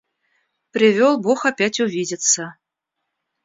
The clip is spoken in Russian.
– Привел бог опять увидеться.